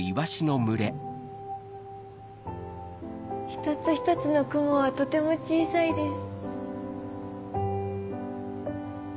一つ一つの雲はとても小さいです。